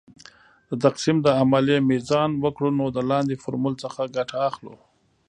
د تقسیم د عملیې میزان وکړو نو د لاندې فورمول څخه ګټه اخلو .